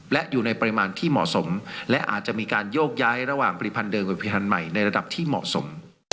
และอยู่ในปริมาณที่เหมาะสมและอาจจะมีการโยกย้ายระหว่างผลิตภัณฑ์เดิมกับผลิตภัณฑ์ใหม่ในระดับที่เหมาะสม